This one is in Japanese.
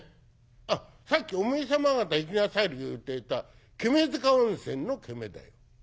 あっさっきおめえ様方行きなさる言うていたケメヅカ温泉の『ケメ』だよ。